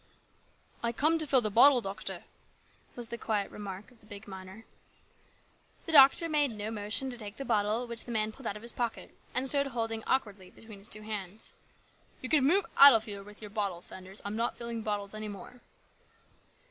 " I come to fill the bottle, doctor," was the quiet remark of the big miner. The doctor made no motion to take the bottle which the man pulled out of his pocket and stood holding awkwardly between his two hands. " You can move out of here with your bottle, San ders. I'm not filling any bottles any more."